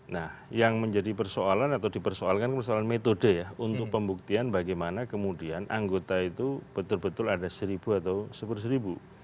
nah yang menjadi persoalan atau dipersoalkan persoalan metode ya untuk pembuktian bagaimana kemudian anggota itu betul betul ada seribu atau seper seribu